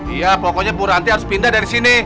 iya pokoknya bu ranti harus pindah dari sini